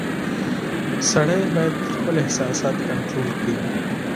• سړی باید خپل احساسات کنټرول کړي.